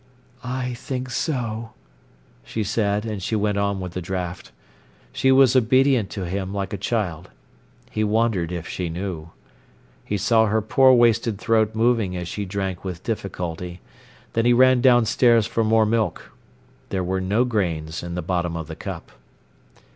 "I think so," she said, and she went on with the draught. She was obedient to him like a child. He wondered if she knew. He saw her poor wasted throat moving as she drank with difficulty. Then he ran downstairs for more milk. There were no grains in the bottom of the cup.